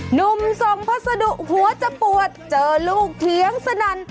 หนุ่มส่งพัสดุหัวจะปวดเจอลูกเถียงสนั่น